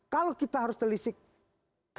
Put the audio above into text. kalau kita harus telisik